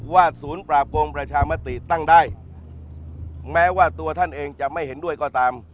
ศูนย์ปราบโกงประชามติตั้งได้แม้ว่าตัวท่านเองจะไม่เห็นด้วยก็ตาม